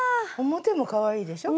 表もかわいいでしょ？